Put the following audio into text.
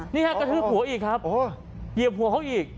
นี่ฮะกระทืบหัวอีกครับเหยียบหัวเขาอีก